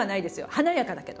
華やかだけど。